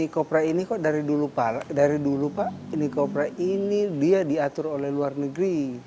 kopra ini kok dari dulu pak ini kopra ini dia diatur oleh luar negeri